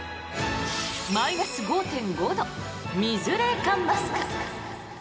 マイナス５．５度水冷感マスク。